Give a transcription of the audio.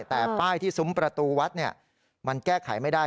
แต่ป้ายที่ซุ้มประตูวัดมันแก้ไขไม่ได้